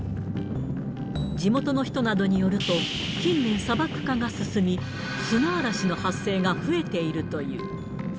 地元の人などによると、近年、砂漠化が進み、砂嵐の発生が増えているという。